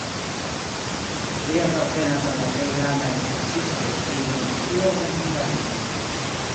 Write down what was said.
Li apartenas al la plej grandaj sciencistoj pri geometrio en Hungario.